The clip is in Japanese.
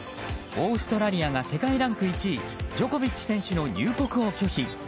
オーストラリアが世界ランク１位ジョコビッチ選手の入国を拒否。